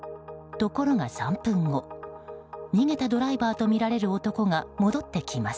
ところが３分後逃げたドライバーとみられる男が戻ってきます。